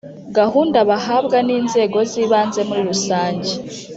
Gahunda bahabwa n’inzego z’ ibanze muri rusange